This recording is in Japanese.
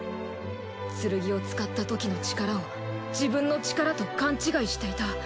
剣を使ったときの力を自分の力と勘違いしていた。